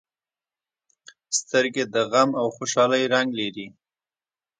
سترګې د غم او خوشالۍ رنګ لري